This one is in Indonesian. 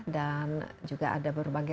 dan juga ada berbagai